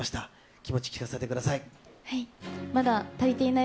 気持ち、聞かせてください。